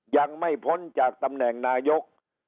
ยังไม่พ้นจากตำแหน่งนายก